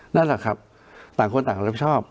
นั่นแหละครับต่างคนต่างรับชอบ